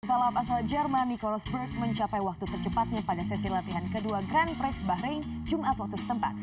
pembalap asal jerman nico rosburg mencapai waktu tercepatnya pada sesi latihan kedua grand prix bahrain jumat waktu setempat